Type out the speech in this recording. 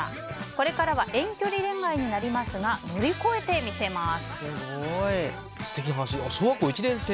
これからは遠距離恋愛になりますが乗り越えてみせます。